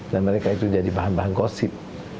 dan mereka itu jadi bahan bahan gosip